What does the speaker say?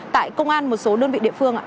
tại công an một số đơn vị địa phương ạ